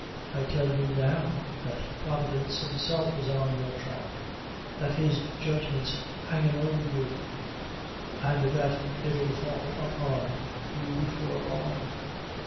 I tell you now, that Providence: himself is on your track that his judgment's hangin' over you and that it'll fall upon! you before long.